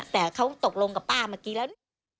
แต่เขาตกลงกับป้าเมื่อกี้แล้วนี่